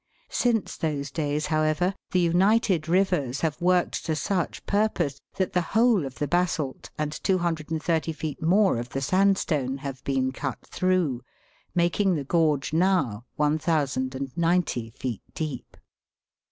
Since those days, however, the united rivers have worked to such purpose that the whole of the basalt and 230 feet more of the sand stone have been cut through, making the gorge now 1,090 feet deep.